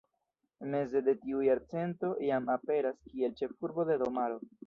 Meze de tiu jarcento, jam aperas kiel ĉefurbo de domaro.